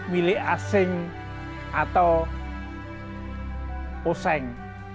milik asing atau oseng